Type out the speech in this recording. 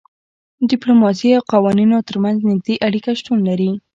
د ډیپلوماسي او قوانینو ترمنځ نږدې اړیکه شتون لري